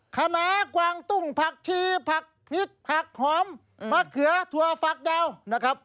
ขนากวางตุ้งผักชีผักพริกผักหอมมะเขือถั่วฝักยาวนะครับ